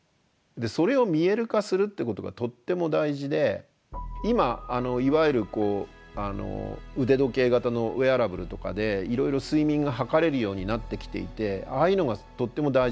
それを見える化するってことがとっても大事で今いわゆる腕時計型のウェアラブルとかでいろいろ睡眠が測れるようになってきていてああいうのがとっても大事なんですけど。